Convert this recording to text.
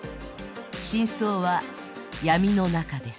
真相は闇の中です。